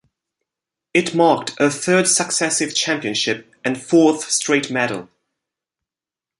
It marked her third successive championship and fourth straight medal.